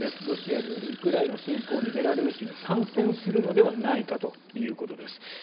ロシアによるウクライナ侵攻にベラルーシが参戦するのではないかということです。